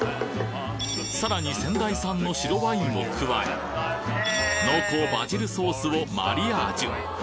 さらに仙台産の白ワインを加え濃厚バジルソースをマリアージュ